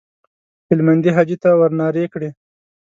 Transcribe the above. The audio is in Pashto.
هلمندي حاجي ته ورنارې کړې.